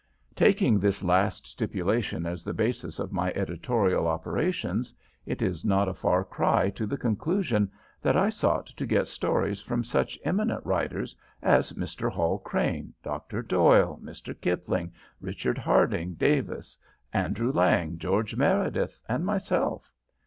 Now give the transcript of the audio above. Taking this last stipulation as the basis of my editorial operations, it is not a far cry to the conclusion that I sought to get stories from such eminent writers as Mr. Hall Caine, Dr. Doyle, Mr. Kipling, Richard Harding Davis, Andrew Lang, George Meredith, and myself.